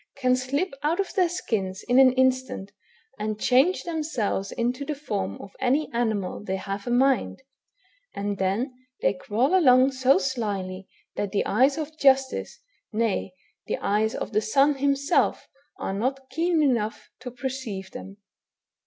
can slip out of their skins in an instant and change themselves into the form of any animal they have a mind ; and then they crawl along so slyly, that the eyes of justice, nay, the eyes of the sun himself, are not keen enough to perceive them.